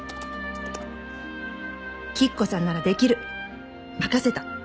「吉子さんならできる」「任せた。